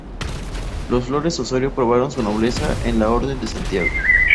Los Flórez-Osorio probaron su nobleza en la Orden de Santiago.